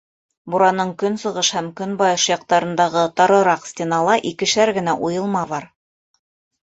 Бураның көнсығыш һәм көнбайыш яҡтарындағы тарыраҡ стенала икешәр генә уйылма бар.